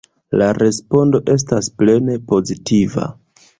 La respondo estas plene pozitiva.